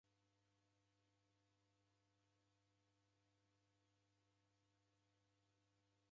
Irio ja mbande ndejifwanane na kiw'egha cha mbande.